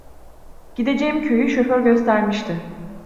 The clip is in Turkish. Gideceğim köyü şoför göstermişti.